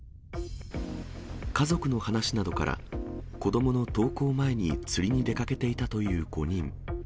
家族の話などから、子どもの登校前に釣りに出かけていたという５人。